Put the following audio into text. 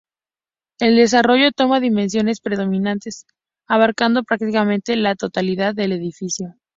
El desarrollo toma dimensiones predominantes, abarcando prácticamente la totalidad del edificio.